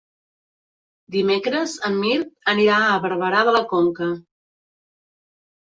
Dimecres en Mirt anirà a Barberà de la Conca.